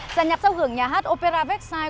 gia nhập giao hưởng nhà hát opera vecchiai